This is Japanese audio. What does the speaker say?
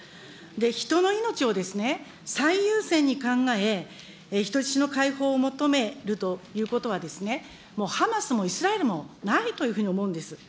人の命を最優先に考え、人質の解放を求めるということはですね、もうハマスもイスラエルもないというふうに思うんです。